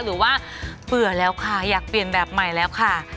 หรือว่าเบื่อแล้วค่ะอยากเปลี่ยนแบบใหม่แล้วค่ะ